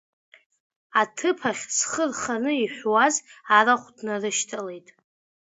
Аҭыԥ ахь зхы рханы иҳәуаз арахә днарышьҭалеит.